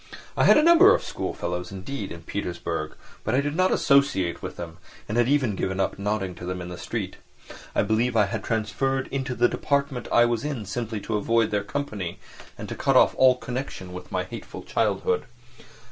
I had a number of schoolfellows, indeed, in Petersburg, but I did not associate with them and had even given up nodding to them in the street. I believe I had transferred into the department I was in simply to avoid their company and to cut off all connection with my hateful childhood.